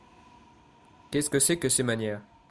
Qu’est-ce que c’est que ces manières !